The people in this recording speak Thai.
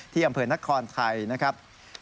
ที่อำเภอะนักครไทยนะครับ